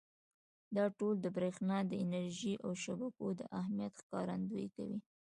دا ټول د برېښنا د انرژۍ او شبکو د اهمیت ښکارندويي کوي.